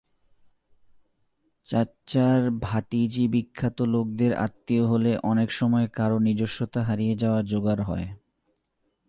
চাচার ভাতিজিবিখ্যাত লোকদের আত্মীয় হলে অনেক সময় কারও নিজস্বতা হারিয়ে যাওয়ার জোগাড় হয়।